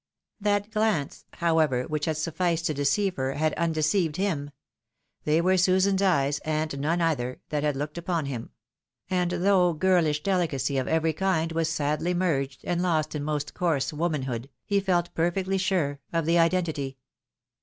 That glance, however, which had sufficed to deceive her, had undeceived Mm. They were Susan's eyes, and none other, that had looked upon him ; and though girlish dehcacy of every kind was sadly merged, and lost in most coarse womanhood, he felt perfectly save of the identity.